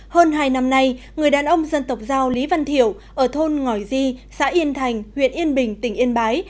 hơn hai năm nay người đàn ông dân tộc giao lý văn thiểu ở thôn ngõi di xã yên thành huyện yên bình tỉnh yên bái